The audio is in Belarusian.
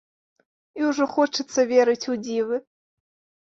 І ўжо хочацца верыць у дзівы.